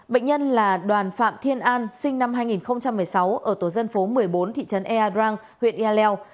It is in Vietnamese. bệnh nhân là đoàn phạm thiên an sinh năm hai nghìn một mươi sáu ở tổ dân phố một mươi bốn thị trấn ea drang huyện ea leo